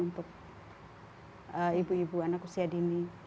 untuk ibu ibu anak usia dini